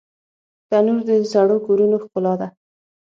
تنور د زړو کورونو ښکلا ده